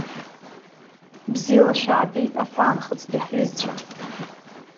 Бзиала шәаабеит аҳәаанхыҵтәи ҳҩызцәа.